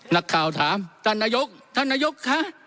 นักข่าวถามท่านนายกท่านนายกคะ